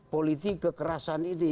politik kekerasan ini